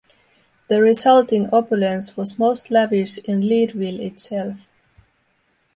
The resulting opulence was most lavish in Leadville itself.